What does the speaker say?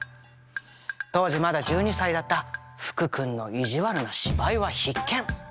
当時まだ１２歳だった福君の意地悪な芝居は必見。